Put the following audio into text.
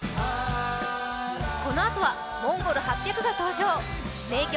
このあとはＭＯＮＧＯＬ８００が登場名曲